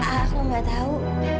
aku gak tau